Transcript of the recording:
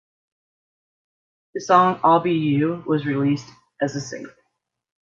The song "I'll Be You" was released as a single.